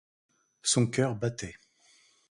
Son coeur battait.